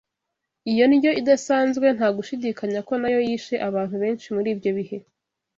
Iyo ndyo idasanzwe nta gushidikanya ko nayo yishe abantu benshi muri ibyo bihe